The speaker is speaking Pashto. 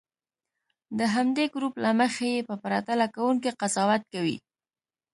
د همدې ګروپ له مخې یې په پرتله کوونې قضاوت کوي.